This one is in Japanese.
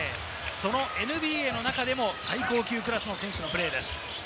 そのＮＢＡの中でも最高級クラスの選手のプレーです。